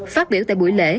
phát biểu tại buổi lễ